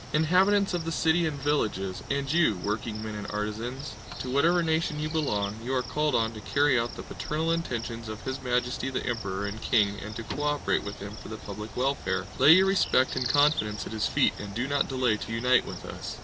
Inhabitants of the city and villages, and you, workingmen and artisans, to whatever nation you belong, you are called on to carry out the paternal intentions of His Majesty the Emperor and King and to co operate with him for the public welfare! Lay your respect and confidence at his feet and do not delay to unite with us!